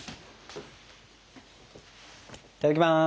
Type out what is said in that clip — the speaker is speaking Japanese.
いただきます。